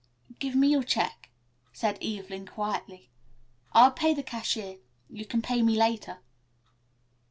"Give me your check," said Evelyn quietly. "I'll pay the cashier. You can pay me later."